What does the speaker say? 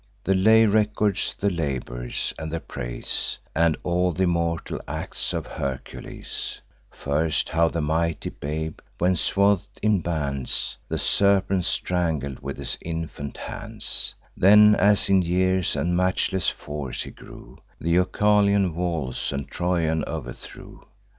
The lay records the labours, and the praise, And all th' immortal acts of Hercules: First, how the mighty babe, when swath'd in bands, The serpents strangled with his infant hands; Then, as in years and matchless force he grew, Th' Oechalian walls, and Trojan, overthrew.